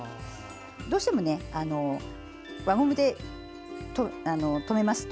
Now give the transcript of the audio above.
どうしても輪ゴムで留めますと。